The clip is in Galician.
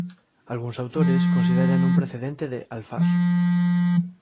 Algúns autores considérana un precedente de "Alfar".